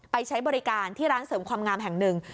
ใช้บริการที่ร้านเสริมความงามแห่งหนึ่ง